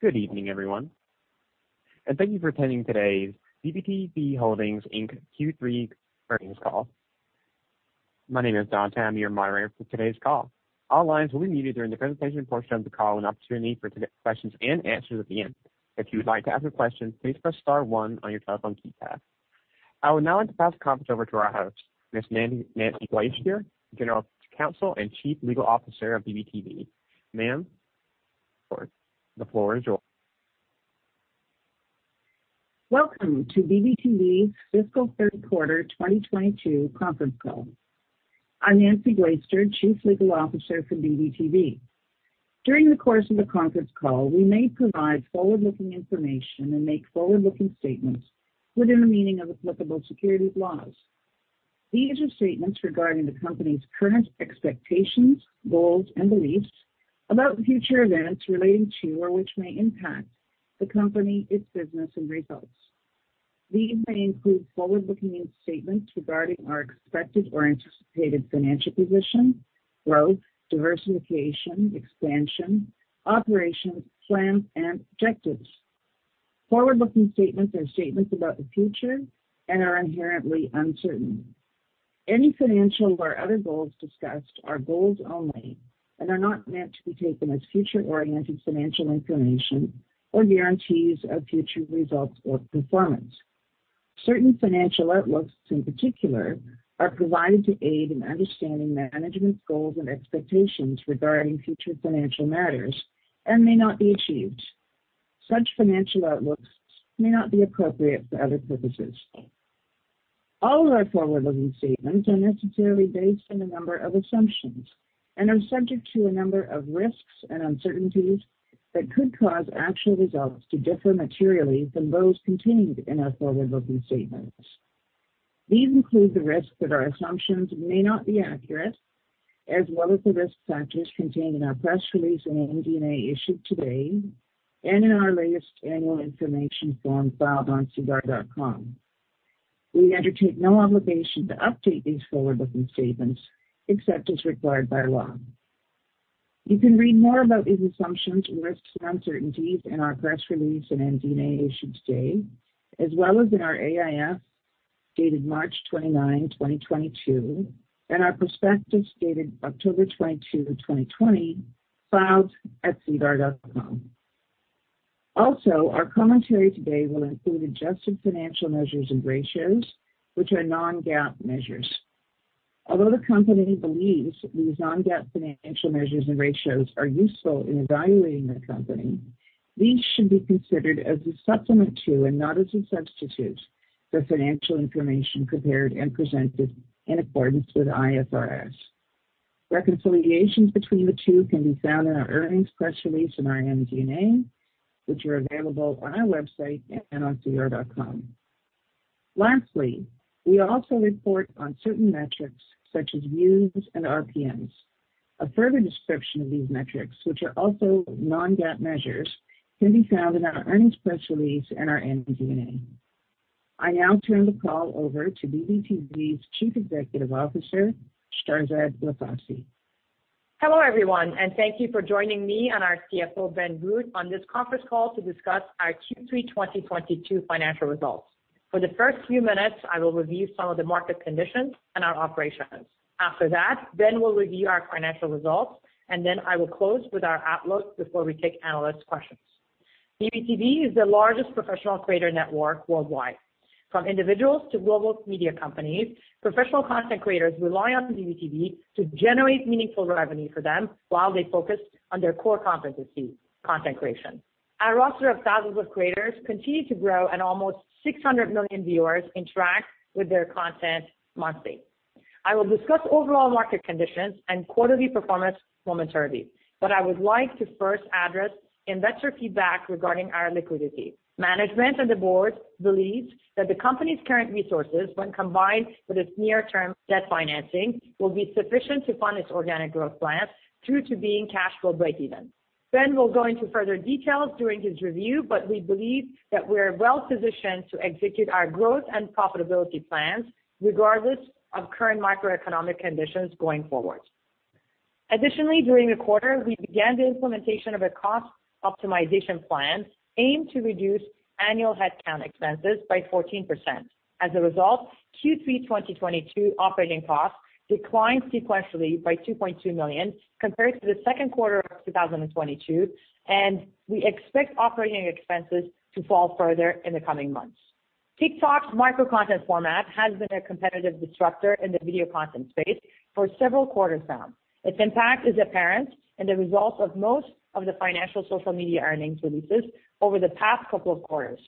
Good evening, everyone, and thank you for attending today's BBTV Holdings, Inc. Q3 Earnings Call. My name is Don Tam, your moderator for today's call. All lines will be muted during the presentation portion of the call with an opportunity for questions and answers at the end. If you would like to ask a question, please press star one on your telephone keypad. I would now like to pass the conference over to our host, Ms. Nancy Glaister, General Counsel and Chief Legal Officer of BBTV. Ma'am, the floor is yours. Welcome to BBTV's fiscal third quarter 2022 conference call. I'm Nancy Glaister, Chief Legal Officer for BBTV. During the course of the conference call, we may provide forward-looking information and make forward-looking statements within the meaning of applicable securities laws. These are statements regarding the company's current expectations, goals, and beliefs about future events relating to or which may impact the company, its business and results. These may include forward-looking statements regarding our expected or anticipated financial position, growth, diversification, expansion, operations, plans, and objectives. Forward-looking statements are statements about the future and are inherently uncertain. Any financial or other goals discussed are goals only and are not meant to be taken as future-oriented financial information or guarantees of future results or performance. Certain financial outlooks, in particular, are provided to aid in understanding management's goals and expectations regarding future financial matters and may not be achieved. Such financial outlooks may not be appropriate for other purposes. All of our forward-looking statements are necessarily based on a number of assumptions and are subject to a number of risks and uncertainties that could cause actual results to differ materially from those contained in our forward-looking statements. These include the risk that our assumptions may not be accurate, as well as the risk factors contained in our press release and MD&A issued today, and in our latest Annual Information Form filed on SEDAR.com. We undertake no obligation to update these forward-looking statements except as required by law. You can read more about these assumptions, risks, and uncertainties in our press release and MD&A issued today, as well as in our AIF dated March 29, 2022, and our prospectus dated October 22, 2020, filed at SEDAR.com. Also, our commentary today will include adjusted financial measures and ratios, which are non-GAAP measures. Although the company believes these non-GAAP financial measures and ratios are useful in evaluating the company, these should be considered as a supplement to and not as a substitute for financial information prepared and presented in accordance with IFRS. Reconciliations between the two can be found in our earnings press release and our MD&A, which are available on our website and on SEDAR.com. Lastly, we also report on certain metrics such as views and RPMs. A further description of these metrics, which are also non-GAAP measures, can be found in our earnings press release and our MD&A. I now turn the call over to BBTV's Chief Executive Officer, Shahrzad Rafati. Hello, everyone, and thank you for joining me and our CFO, Ben Groot, on this conference call to discuss our Q3 2022 financial results. For the first few minutes, I will review some of the market conditions and our operations. After that, Ben will review our financial results, and then I will close with our outlook before we take analyst questions. BBTV is the largest professional creator network worldwide. From individuals to global media companies, professional content creators rely on BBTV to generate meaningful revenue for them while they focus on their core competency, content creation. Our roster of thousands of creators continue to grow, and almost 600 million viewers interact with their content monthly. I will discuss overall market conditions and quarterly performance momentarily, but I would like to first address investor feedback regarding our liquidity. Management and the board believes that the company's current resources, when combined with its near-term debt financing, will be sufficient to fund its organic growth plans through to being cash flow breakeven. Ben will go into further details during his review. We believe that we are well-positioned to execute our growth and profitability plans regardless of current macroeconomic conditions going forward. Additionally, during the quarter, we began the implementation of a cost optimization plan aimed to reduce annual headcount expenses by 14%. As a result, Q3 2022 operating costs declined sequentially by 2.2 million compared to the second quarter of 2022, and we expect operating expenses to fall further in the coming months. TikTok's micro content format has been a competitive disruptor in the video content space for several quarters now. Its impact is apparent in the results of most of the financial social media earnings releases over the past couple of quarters.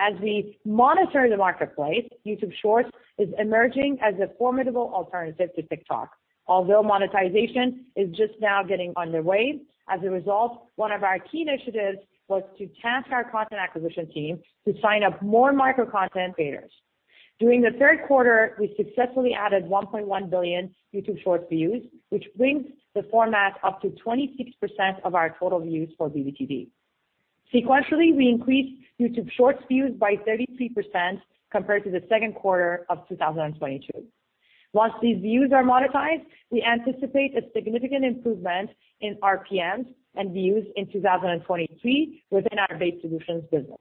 As we monitor the marketplace, YouTube Shorts is emerging as a formidable alternative to TikTok, although monetization is just now getting underway. As a result, one of our key initiatives was to task our content acquisition team to sign up more micro-content creators. During the third quarter, we successfully added 1.1 billion YouTube Shorts views, which brings the format up to 26% of our total views for BBTV. Sequentially, we increased YouTube Shorts views by 33% compared to the second quarter of 2022. Once these views are monetized, we anticipate a significant improvement in RPMs and views in 2023 within our Base Solutions business.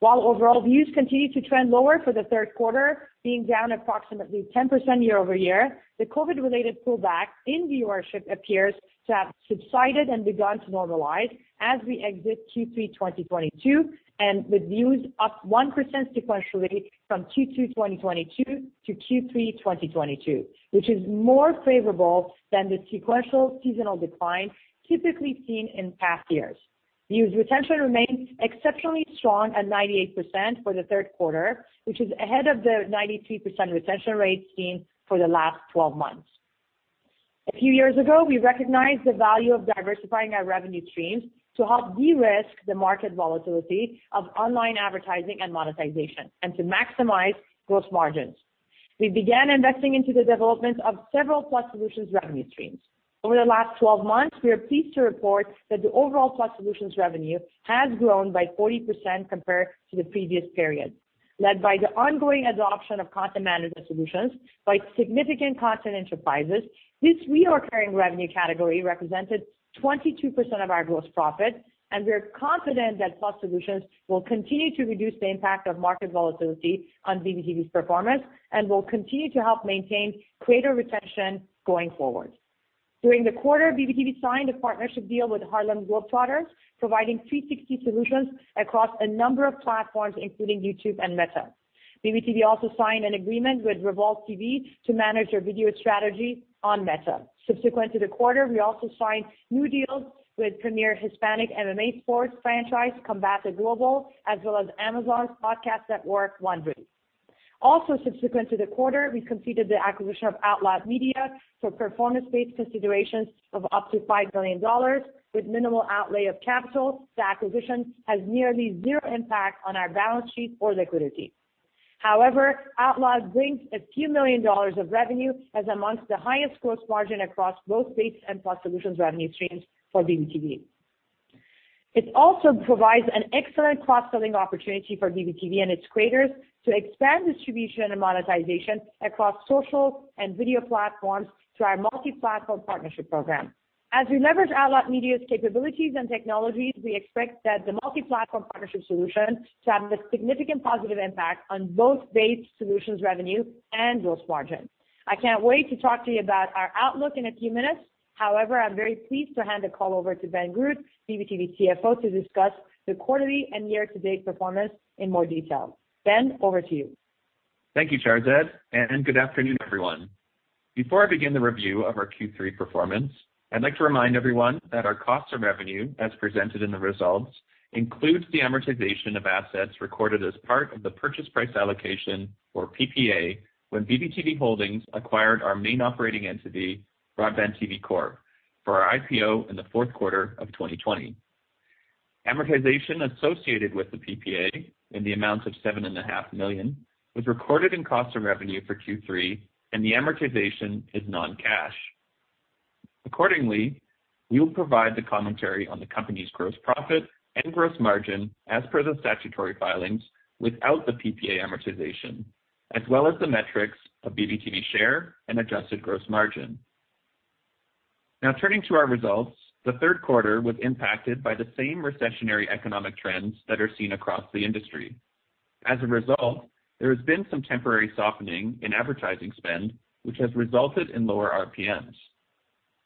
While overall views continue to trend lower for the third quarter, being down approximately 10% year-over-year, the COVID related pullback in viewership appears to have subsided and begun to normalize as we exit Q3 2022, and with views up 1% sequentially from Q2 2022 to Q3 2022, which is more favorable than the sequential seasonal decline typically seen in past years. Views retention remains exceptionally strong at 98% for the third quarter, which is ahead of the 93% retention rate seen for the last 12 months. A few years ago, we recognized the value of diversifying our revenue streams to help de-risk the market volatility of online advertising and monetization and to maximize gross margins. We began investing into the development of several Plus Solutions revenue streams. Over the last 12 months, we are pleased to report that the overall Plus Solutions revenue has grown by 40% compared to the previous period, led by the ongoing adoption of Content Management solutions by significant content enterprises. This recurring revenue category represented 22% of our gross profit, and we're confident that Plus Solutions will continue to reduce the impact of market volatility on BBTV's performance and will continue to help maintain creator retention going forward. During the quarter, BBTV signed a partnership deal with Harlem Globetrotters, providing 360 solutions across a number of platforms, including YouTube and Meta. BBTV also signed an agreement with Revolt TV to manage their video strategy on Meta. Subsequent to the quarter, we also signed new deals with premier Hispanic MMA sports franchise, Combate Global, as well as Amazon's podcast network, Wondery. Also subsequent to the quarter, we completed the acquisition of Outloud Media for performance-based considerations of up to $5 million. With minimal outlay of capital, the acquisition has nearly zero impact on our balance sheet or liquidity. However, Outloud brings a few million dollars of revenue as among the highest gross margin across both Base and Plus Solutions revenue streams for BBTV. It also provides an excellent cross-selling opportunity for BBTV and its creators to expand distribution and monetization across social and video platforms through our Multi-Platform Partnership solution. As we leverage Outloud Media's capabilities and technologies, we expect that the Multi-Platform Partnership solution to have a significant positive impact on both Base Solutions revenue and gross margin. I can't wait to talk to you about our outlook in a few minutes. However, I'm very pleased to hand the call over to Ben Groot, BBTV CFO, to discuss the quarterly and year-to-date performance in more detail. Ben, over to you. Thank you, Shahrzad, and good afternoon, everyone. Before I begin the review of our Q3 performance, I'd like to remind everyone that our cost of revenue as presented in the results includes the amortization of assets recorded as part of the purchase price allocation or PPA when BBTV Holdings Inc. acquired our main operating entity, BroadbandTV Corp, for our IPO in the fourth quarter of 2020. Amortization associated with the PPA in the amount of 7.5 million was recorded in cost of revenue for Q3 and the amortization is non-cash. Accordingly, we will provide the commentary on the company's gross profit and gross margin as per the statutory filings without the PPA amortization, as well as the metrics of BBTV share and adjusted gross margin. Now, turning to our results, the third quarter was impacted by the same recessionary economic trends that are seen across the industry. As a result, there has been some temporary softening in advertising spend, which has resulted in lower RPMs.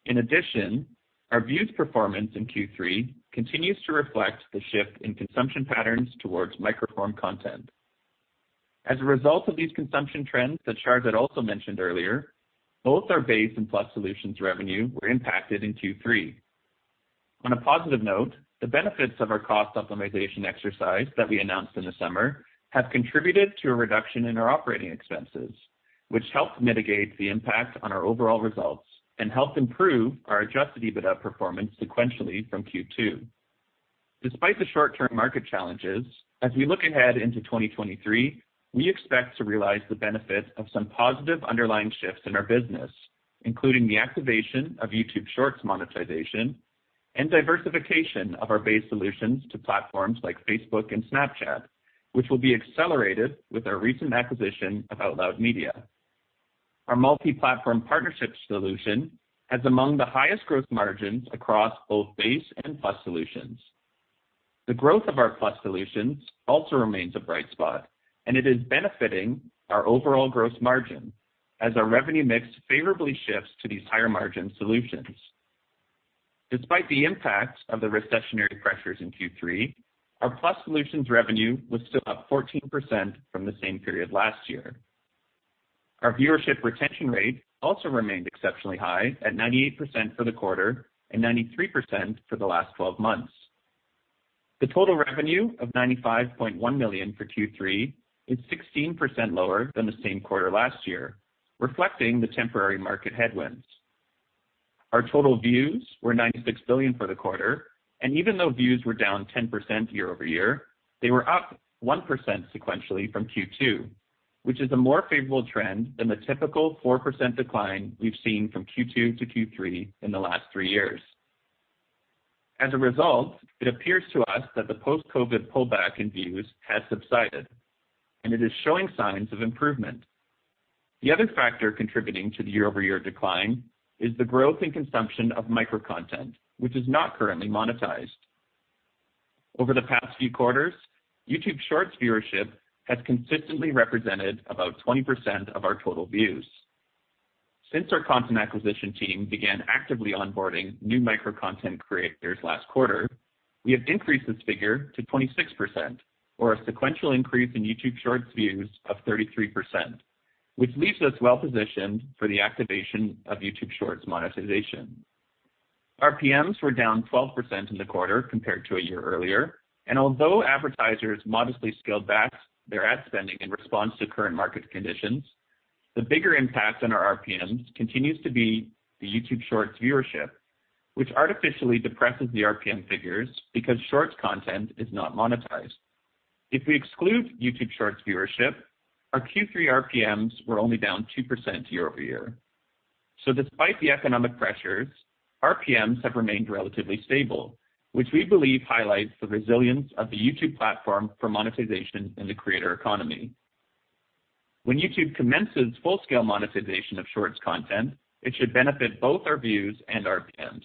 In addition, our views performance in Q3 continues to reflect the shift in consumption patterns towards short-form content. As a result of these consumption trends that Shahrzad also mentioned earlier, both our Base and Plus Solutions revenue were impacted in Q3. On a positive note, the benefits of our cost optimization exercise that we announced in the summer have contributed to a reduction in our operating expenses, which helped mitigate the impact on our overall results and helped improve our Adjusted EBITDA performance sequentially from Q2. Despite the short-term market challenges, as we look ahead into 2023, we expect to realize the benefit of some positive underlying shifts in our business, including the activation of YouTube Shorts monetization and diversification of our Base Solutions to platforms like Facebook and Snapchat, which will be accelerated with our recent acquisition of Outloud Media. Our Multi-Platform Partnership solution has among the highest growth margins across both Base and Plus Solutions. The growth of our Plus Solutions also remains a bright spot, and it is benefiting our overall gross margin as our revenue mix favorably shifts to these higher margin solutions. Despite the impact of the recessionary pressures in Q3, our Plus Solutions revenue was still up 14% from the same period last year. Our viewership retention rate also remained exceptionally high at 98% for the quarter and 93% for the last 12 months. The total revenue of 95.1 million for Q3 is 16% lower than the same quarter last year, reflecting the temporary market headwinds. Our total views were 96 billion for the quarter, and even though views were down 10% year over year, they were up 1% sequentially from Q2, which is a more favorable trend than the typical 4% decline we've seen from Q2 to Q3 in the last 3 years. As a result, it appears to us that the post-COVID pullback in views has subsided, and it is showing signs of improvement. The other factor contributing to the year-over-year decline is the growth in consumption of micro content, which is not currently monetized. Over the past few quarters, YouTube Shorts viewership has consistently represented about 20% of our total views. Since our content acquisition team began actively onboarding new micro content creators last quarter, we have increased this figure to 26% or a sequential increase in YouTube Shorts views of 33%, which leaves us well-positioned for the activation of YouTube Shorts monetization. RPMs were down 12% in the quarter compared to a year earlier. Although advertisers modestly scaled back their ad spending in response to current market conditions, the bigger impact on our RPMs continues to be the YouTube Shorts viewership, which artificially depresses the RPM figures because Shorts content is not monetized. If we exclude YouTube Shorts viewership, our Q3 RPMs were only down 2% year-over-year. Despite the economic pressures, RPMs have remained relatively stable, which we believe highlights the resilience of the YouTube platform for monetization in the creator economy. When YouTube commences full-scale monetization of Shorts content, it should benefit both our views and RPMs.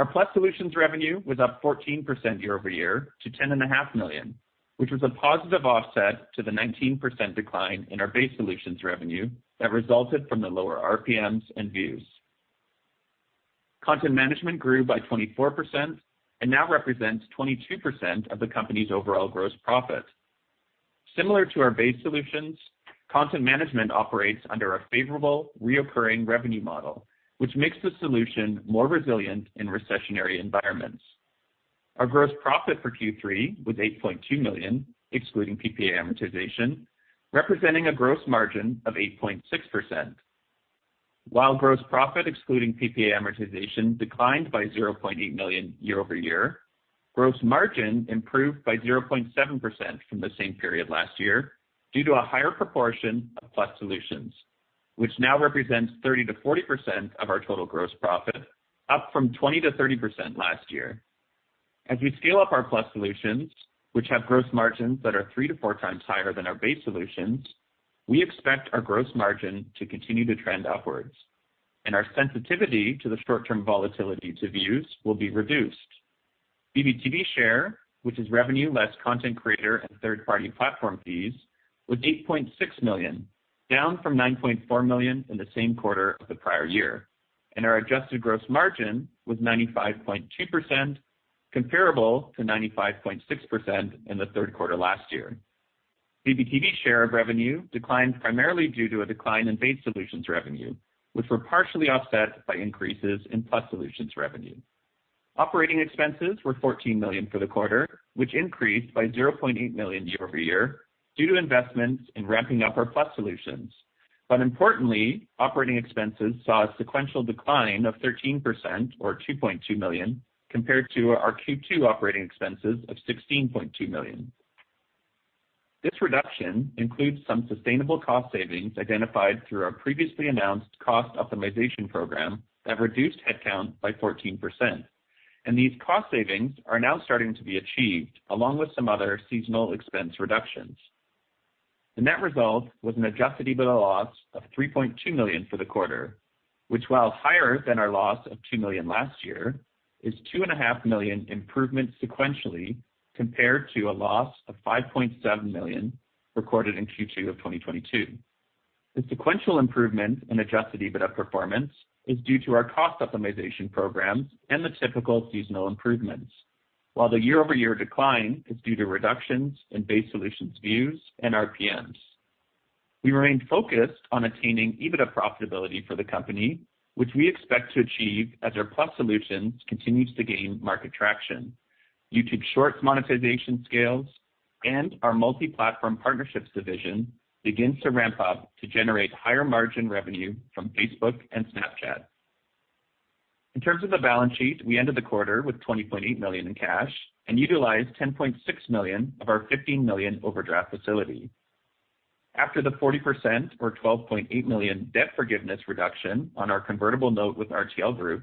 Our Plus Solutions revenue was up 14% year-over-year to $10.5 million, which was a positive offset to the 19% decline in our Base Solutions revenue that resulted from the lower RPMs and views. Content Management grew by 24% and now represents 22% of the company's overall gross profit. Similar to our Base Solutions, Content Management operates under a favorable recurring revenue model, which makes the solution more resilient in recessionary environments. Our gross profit for Q3 was $8.2 million, excluding PPA amortization, representing a gross margin of 8.6%. While gross profit excluding PPA amortization declined by $0.8 million year-over-year, gross margin improved by 0.7% from the same period last year due to a higher proportion of Plus Solutions, which now represents 30%-40% of our total gross profit, up from 20%-30% last year. As we scale up our Plus Solutions, which have gross margins that are 3x-4x higher than our Base Solutions, we expect our gross margin to continue to trend upwards, and our sensitivity to the short-term volatility to views will be reduced. BBTV share, which is revenue less content creator and third-party platform fees, was $8.6 million, down from $9.4 million in the same quarter of the prior year. Our adjusted gross margin was 95.2% comparable to 95.6% in the third quarter last year. BBTV share of revenue declined primarily due to a decline in Base Solutions revenue, which were partially offset by increases in Plus Solutions revenue. Operating expenses were 14 million for the quarter, which increased by 0.8 million year-over-year due to investments in ramping up our Plus Solutions. Importantly, operating expenses saw a sequential decline of 13% or 2.2 million compared to our Q2 operating expenses of 16.2 million. This reduction includes some sustainable cost savings identified through our previously announced cost optimization program that reduced headcount by 14%. These cost savings are now starting to be achieved, along with some other seasonal expense reductions. The net result was an Adjusted EBITDA loss of 3.2 million for the quarter, which, while higher than our loss of 2 million last year, is 2.5 million improvement sequentially compared to a loss of 5.7 million recorded in Q2 of 2022. The sequential improvement in Adjusted EBITDA performance is due to our cost optimization programs and the typical seasonal improvements. While the year-over-year decline is due to reductions in Base Solutions views and RPMs. We remain focused on attaining EBITDA profitability for the company, which we expect to achieve as our Plus Solutions continues to gain market traction. YouTube Shorts monetization scales and our Multi-Platform Partnerships Division begins to ramp up to generate higher margin revenue from Facebook and Snapchat. In terms of the balance sheet, we ended the quarter with 20.8 million in cash and utilized 10.6 million of our 15 million overdraft facility. After the 40% or 12.8 million debt forgiveness reduction on our convertible note with RTL Group,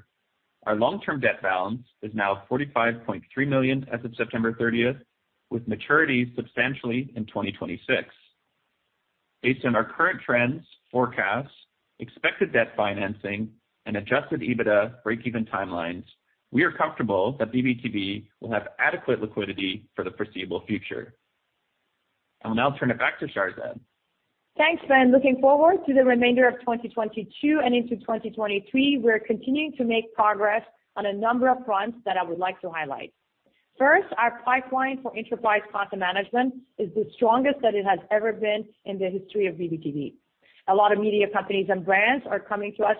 our long-term debt balance is now 45.3 million as of September 30th, with maturities substantially in 2026. Based on our current trends, forecasts, expected debt financing, and Adjusted EBITDA breakeven timelines, we are comfortable that BBTV will have adequate liquidity for the foreseeable future. I will now turn it back to Shahrzad. Thanks, Ben. Looking forward to the remainder of 2022 and into 2023, we're continuing to make progress on a number of fronts that I would like to highlight. First, our pipeline for enterprise Content Management is the strongest that it has ever been in the history of BBTV. A lot of media companies and brands are coming to us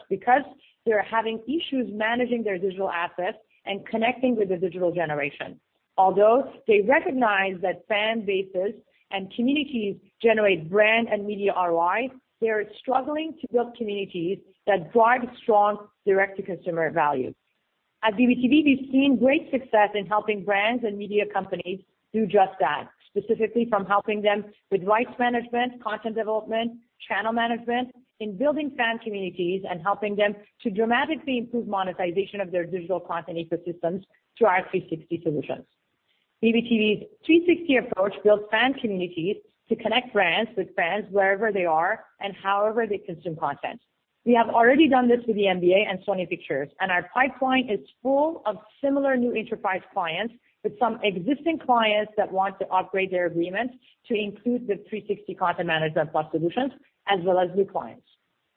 because they are having issues managing their digital assets and connecting with the digital generation. Although they recognize that fan bases and communities generate brand and media ROI, they are struggling to build communities that drive strong direct-to-consumer value. At BBTV, we've seen great success in helping brands and media companies do just that, specifically from helping them with rights management, content development, channel management, in building fan communities, and helping them to dramatically improve monetization of their digital content ecosystems through our 360 Solutions. BBTV's 360 approach builds fan communities to connect brands with fans wherever they are and however they consume content. We have already done this with the NBA and Sony Pictures, and our pipeline is full of similar new enterprise clients, with some existing clients that want to upgrade their agreements to include the 360 Content Management Plus Solutions as well as new clients.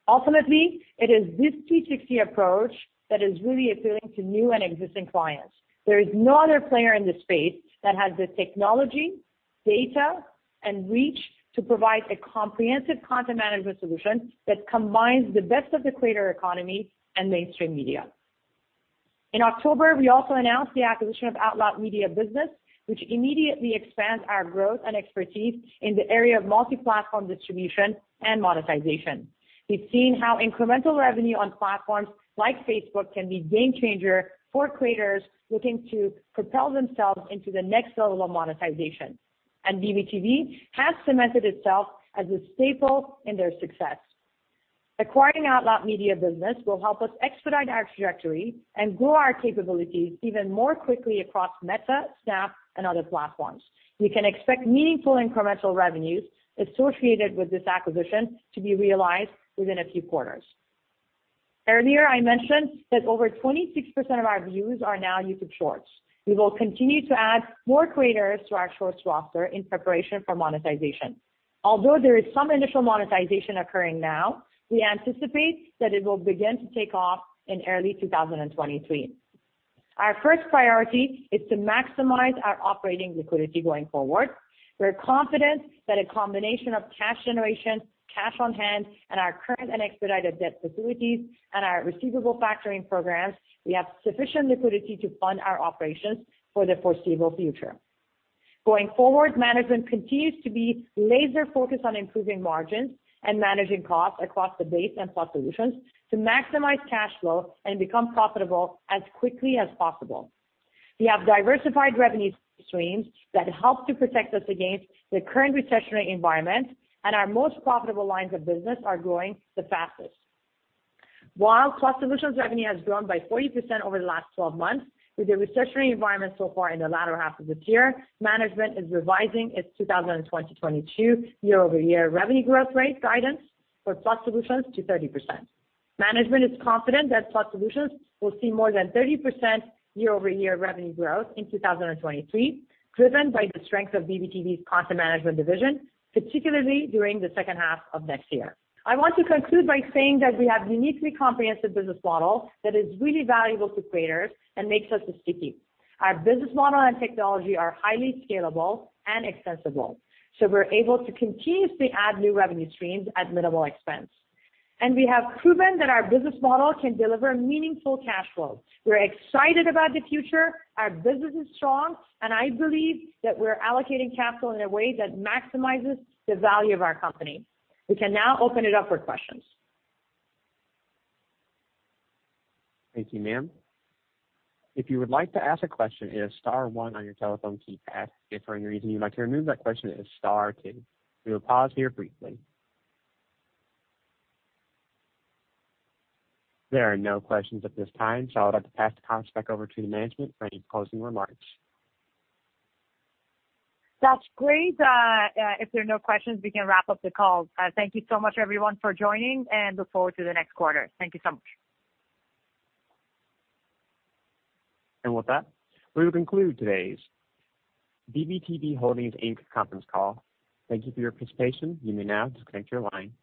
Ultimately, it is this 360 approach that is really appealing to new and existing clients. There is no other player in this space that has the technology, data, and reach to provide a comprehensive Content Management solution that combines the best of the creator economy and mainstream media. In October, we also announced the acquisition of Outloud Media, which immediately expands our growth and expertise in the area of multi-platform distribution and monetization. We've seen how incremental revenue on platforms like Facebook can be game changer for creators looking to propel themselves into the next level of monetization, and BBTV has cemented itself as a staple in their success. Acquiring Outloud Media will help us expedite our trajectory and grow our capabilities even more quickly across Meta, Snap, and other platforms. We can expect meaningful incremental revenues associated with this acquisition to be realized within a few quarters. Earlier, I mentioned that over 26% of our views are now YouTube Shorts. We will continue to add more creators to our Shorts roster in preparation for monetization. Although there is some initial monetization occurring now, we anticipate that it will begin to take off in early 2023. Our first priority is to maximize our operating liquidity going forward. We're confident that a combination of cash generation, cash on hand, and our current and expedited debt facilities and our receivable factoring programs. We have sufficient liquidity to fund our operations for the foreseeable future. Going forward, management continues to be laser focused on improving margins and managing costs across the Base and Plus Solutions to maximize cash flow and become profitable as quickly as possible. We have diversified revenue streams that help to protect us against the current recessionary environment, and our most profitable lines of business are growing the fastest. While Plus Solutions revenue has grown by 40% over the last 12 months, with the recessionary environment so far in the latter half of this year, management is revising its 2020-2022 year-over-year revenue growth rate guidance for Plus Solutions to 30%. Management is confident that Plus Solutions will see more than 30% year-over-year revenue growth in 2023, driven by the strength of BBTV's Content Management division, particularly during the second half of next year. I want to conclude by saying that we have uniquely comprehensive business model that is really valuable to creators and makes us a sticky. Our business model and technology are highly scalable and extensible, so we're able to continuously add new revenue streams at minimal expense. We have proven that our business model can deliver meaningful cash flow. We're excited about the future. Our business is strong, and I believe that we're allocating capital in a way that maximizes the value of our company. We can now open it up for questions. Thank you, ma'am. If you would like to ask a question, it is star one on your telephone keypad. If for any reason you'd like to remove that question, it is star two. We will pause here briefly. There are no questions at this time, so I'd like to pass the call back over to the management for any closing remarks. That's great. If there are no questions, we can wrap up the call. Thank you so much everyone for joining, and look forward to the next quarter. Thank you so much. With that, we will conclude today's BBTV Holdings Inc. conference call. Thank you for your participation. You may now disconnect your line.